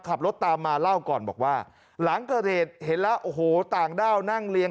ขับรถตามมาเล่าก่อนบอกว่าหลังเกิดเหตุเห็นแล้วโอ้โหต่างด้าวนั่งเลี้ย